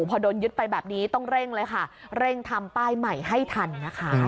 พอโดนยึดไปแบบนี้ต้องเร่งเลยค่ะเร่งทำป้ายใหม่ให้ทันนะคะ